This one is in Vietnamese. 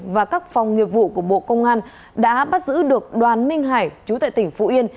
và các phòng nghiệp vụ của bộ công an đã bắt giữ được đoàn minh hải chú tại tỉnh phú yên